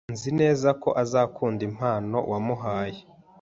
Nzi neza ko azakunda impano wamuhaye.